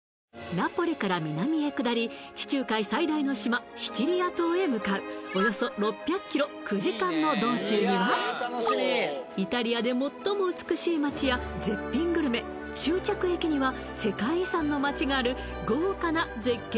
ナポリから南へ下り地中海最大の島シチリア島へ向かうおよそ６００ｋｍ９時間の道中にはイタリアで最も美しい街や絶品グルメ終着駅には世界遺産の街がある豪華な絶景